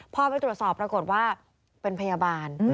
พอไปตรวจสอบปรากฏว่าเป็นพยาบาล